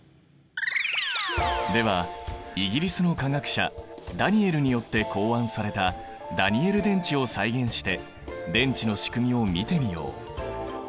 ではイギリスの化学者ダニエルによって考案されたダニエル電池を再現して電池のしくみを見てみよう。